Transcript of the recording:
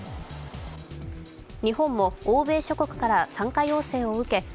日本も欧米諸国から参加要請を受け